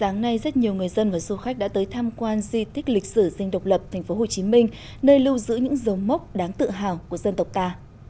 hôm nay rất nhiều người dân và du khách đã tới tham quan di tích lịch sử dinh độc lập thành phố hồ chí minh nơi lưu giữ những dấu mốc đáng tự hào của dân tộc ta